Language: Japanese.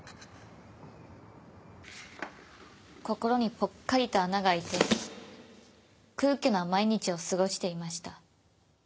心にぽっかりと穴が開いて空虚な毎日を過ごしていました。